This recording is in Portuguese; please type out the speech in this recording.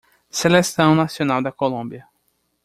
Seleção Nacional da Colômbia.